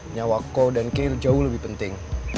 nyawa kau dan kiri jauh lebih penting